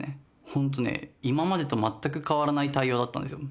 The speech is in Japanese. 本当ね、今までと全く変わらない対応だったんですよ。